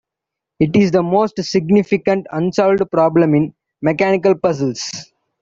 It is the most significant unsolved problem in mechanical puzzles.